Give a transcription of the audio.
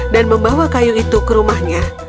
dan membawa kayu itu ke rumahnya